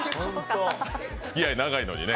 付き合い長いのにね。